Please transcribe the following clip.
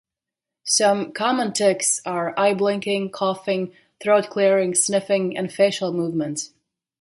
Some common tics are eye blinking, coughing, throat clearing, sniffing, and facial movements.